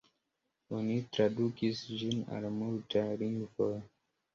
Oni tradukis ĝin al multaj lingvoj.